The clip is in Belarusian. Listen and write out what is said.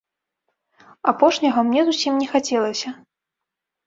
Апошняга мне зусім не хацелася.